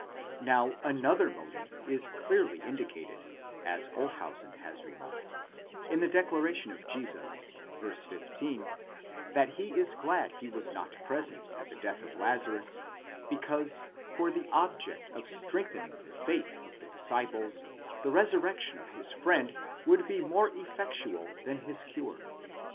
Now another motive is clearly indicated, as Olshausen has remarked, in the declaration of Jesus, * y, 15, that he is glad he was not present at the death of Lazarus, because, for the object of strengthening the faith of the disciples, the resurrection of his friend would be more effectual than his cure.